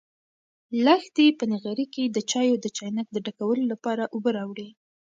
لښتې په نغري کې د چایو د چاینک د ډکولو لپاره اوبه راوړې.